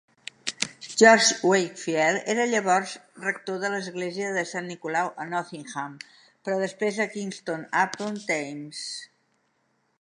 George Wakefield, era llavors rector de l'Església de Sant Nicolau a Nottingham, però després a Kingston-upon-Thames.